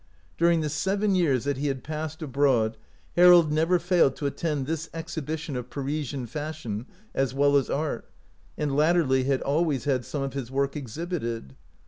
During the seven years that he had passed abroad Harold never failed to attend this exhibition of Parisian fashion as well as art, and lat terly had always had some of his work ex hibited.